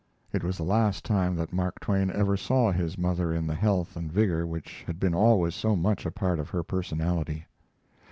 It was the last time that Mark Twain ever saw his mother in the health and vigor which had been always so much a part of her personality.